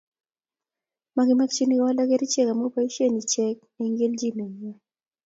Makimakchini koalda kerichek amu poishe ichek eng' kelchin nengwai